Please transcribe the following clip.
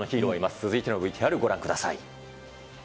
続いてのＶＴＲご覧ください。